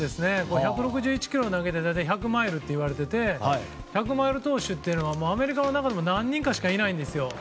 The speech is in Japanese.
１６１キロの投げ方で１００マイルって言われていて１００マイル投手はアメリカの中でも何人かしかいないんです。